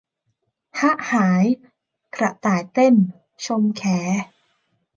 หะหายกระต่ายเต้น ชมแข